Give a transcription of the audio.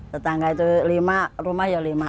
tetangga itu lima rumah ya lima